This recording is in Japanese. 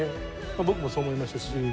僕もそう思いましたし。